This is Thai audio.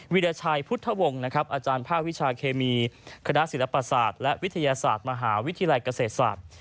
วิราชัยพุทธวงศ์อาจารย์ภาควิชาเคมีคณะศิลปศาสตร์และวิทยาศาสตร์มหาวิทยาลัยเกษตรศาสตร์